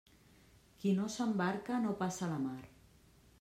Qui no s'embarca no passa la mar.